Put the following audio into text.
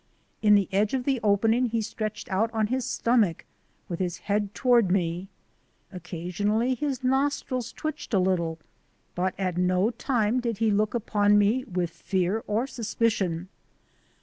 In the edge of the opening he stretched out on his stomach with his head toward WAITING IN THE WILDERNESS 35 me. Occasionally his nostrils twitched a little, but at no time did he look upon me with fear or sus picion.